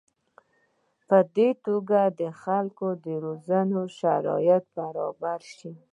په دې توګه د خلکو روزنې شرایط برابر شي.